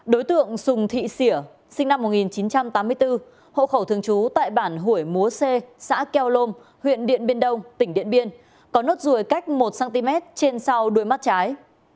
đối tượng sùng thị xỉa sinh năm một nghìn chín trăm tám mươi bốn hộ khẩu thường trú tại bản hủy múa c xã keom huyện điện biên đông tỉnh điện biên có nốt ruồi cách một cm trên sau đuôi mắt trái